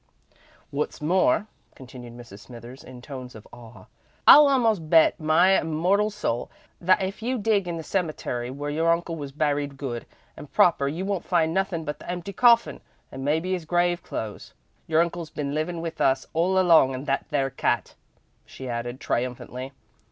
"Wot's more," continued Mrs. Smithers, in tones of awe, "I'll a'most bet my immortal soul that if you'll dig in the cemetery where your uncle was buried good and proper, you won't find nothin' but the empty coffin and maybe 'is grave clothes. Your uncle's been livin' with us all along in that there cat," she added, triumphantly.